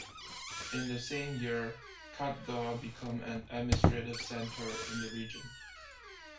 In the same year, Khatgal became an administrative center in the region.